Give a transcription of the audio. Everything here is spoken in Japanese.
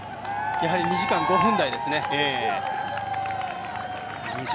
やはり２時間５分台ですね。